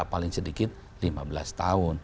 paling sedikit lima belas tahun